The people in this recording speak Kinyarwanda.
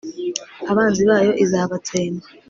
abanzi bayo izabatsemba